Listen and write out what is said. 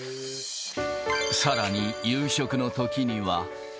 さらに、夕食のときには。